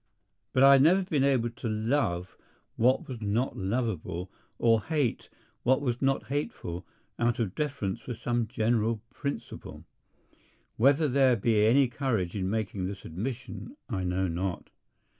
But I have never been able to love what was not lovable or hate what was not hateful out of deference for some general principle. Whether there be any courage in making this admission I know not.